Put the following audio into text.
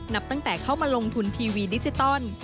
นับตั้งแต่เข้ามาลงทุนทีวีดิจิตอล